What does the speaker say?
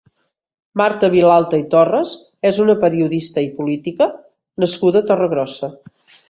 Marta Vilalta i Torres és una periodista i política nascuda a Torregrossa.